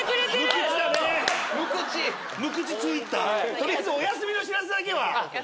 とりあえずお休みの知らせだけは。